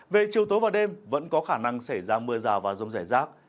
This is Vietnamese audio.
về chiều tối và đêm vẫn có khả năng xảy ra mưa rào và rông rải rác